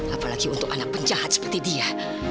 apalagi untuk anak penjahat seperti dia